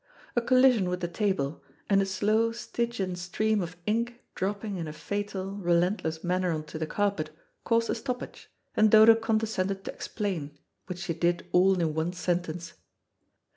A collision with the table, and a slow Stygian stream of ink dropping in a fatal, relentless manner on to the carpet, caused a stoppage, and Dodo condescended to explain, which she did all in one sentence.